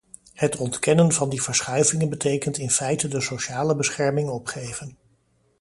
Het ontkennen van die verschuivingen betekent in feite de sociale bescherming opgeven.